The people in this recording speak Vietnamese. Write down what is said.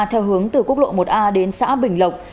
theo hướng từ quốc lộ một a đến xã bình lộc